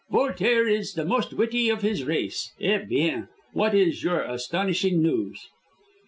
Voltaire is the most witty of his race. Eh bien! What is your astonishing news?"